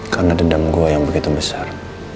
karena dendam gue yang begitu besar